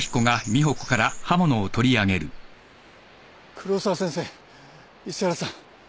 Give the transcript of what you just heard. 黒沢先生石原さん。